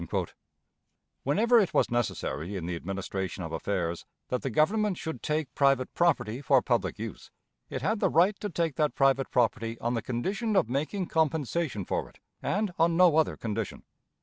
Whenever it was necessary in the administration of affairs that the Government should take private property for public use, it had the right to take that private property on the condition of making compensation for it, and on no other condition.